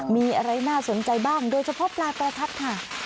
มีอะไรน่าสนใจบ้างโดยเฉพาะปลาประทัดค่ะ